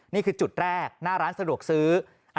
นี่คือจุดแรกหน้าร้านสะดวกซื้อ